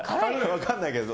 分かんないけど。